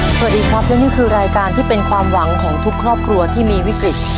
สวัสดีครับและนี่คือรายการที่เป็นความหวังของทุกครอบครัวที่มีวิกฤต